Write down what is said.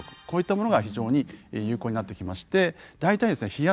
こういったものが非常に有効になってきまして大体ですね